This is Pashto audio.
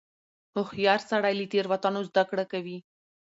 هوښیار سړی له تېروتنو زده کړه کوي.